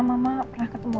mama pernah ketemu